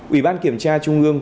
ủy ban kiểm tra trung ương